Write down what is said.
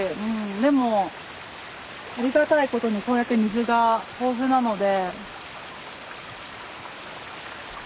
でもありがたいことにこうやって水が豊富なので。